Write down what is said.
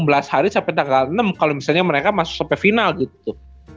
berarti enam belas hari sampe tanggal enam kalo misalnya mereka masuk sampai final gitu